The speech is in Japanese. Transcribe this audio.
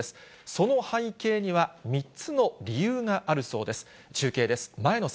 その背景には３つの理由があるそうです。